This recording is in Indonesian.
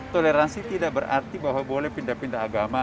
toleransi tidak berarti bahwa boleh pindah pindah agama